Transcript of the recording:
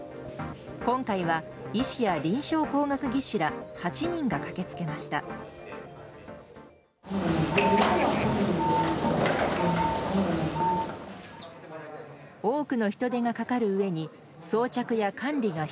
今回は医師や臨床工学技士ら８人が駆けつけました。